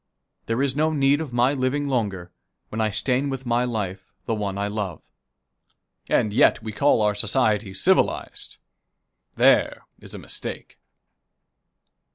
There is no need of my living longer, when I stain with my life the one I love." And yet we call our society civilized. There is a mistake.